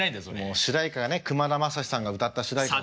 もう主題歌がねくまだまさしさんが歌った主題歌で。